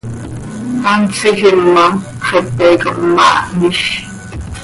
Hant tsiijim ma, xepe com maahnij.